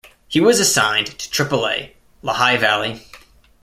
He was assigned to Triple-A Lehigh Valley.